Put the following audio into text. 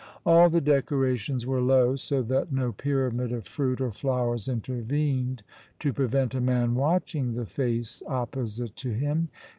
All the decorations were low, so that no pyramid of fruit or flowers intervened to jjrevent a man watching the face opposite to him.